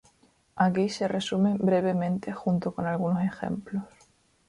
Aquí se resumen brevemente junto con algunos ejemplos.